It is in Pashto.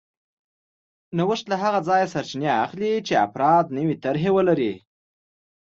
نوښت له هغه ځایه سرچینه اخلي چې افراد نوې طرحې ولري